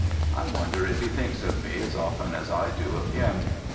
I wonder if he thinks of me as often as I do of him?